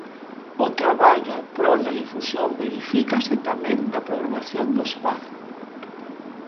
O traballo a prol da difusión verifícase tamén na programación do espazo.